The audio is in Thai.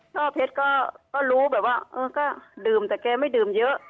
ช่อเพชรก็รู้แบบว่าเออก็ดื่มแต่แกไม่ดื่มเยอะ